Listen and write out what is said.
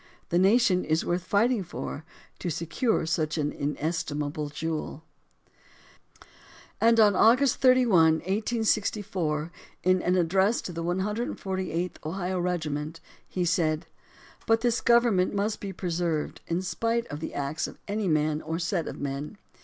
The nation is worth fighting for, to secure such an inestimable jewel. And on August 31, 1864, in an address to the 148th Ohio Regiment; he said: But this government must be preserved in spite of the acts of any man or set of men.